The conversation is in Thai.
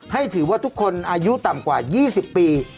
ให้ถือว่าทุกคนอายุต่ำกว่า๒๐ปี